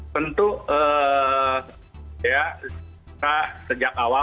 tentu ya kita sejak awal